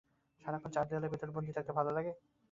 সারাক্ষণ চার দেয়ালের ভিতরে বন্দি থাকতে ভালো লাগে?